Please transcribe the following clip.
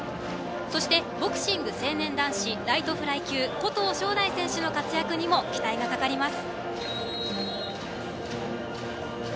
そして、ボクシング成年男子ライトフライ級古藤昇大選手の活躍にも期待がかかります。